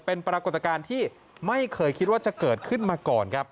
เป็นปรากฏการณ์ที่ไม่เคยคิดว่าจะเกิดขึ้นมาก่อนครับ